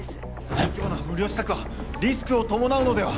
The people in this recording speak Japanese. ・大規模な無料施策はリスクを伴うのでは？